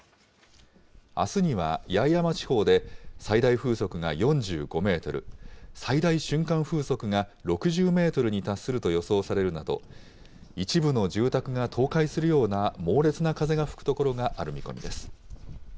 あすには八重山地方で最大風速が４５メートル、最大瞬間風速が６０メートルに達すると予想されるなど、一部の住宅が倒壊するような猛烈な風が吹く所がある見込みです。